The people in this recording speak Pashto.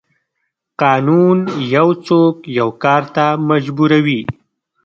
قانون یو څوک یو کار ته مجبوروي.